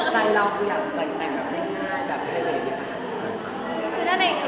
ใจเราก็อยากจัดแต่งแบบได้ง่ายแบบใกล้นิดแหละ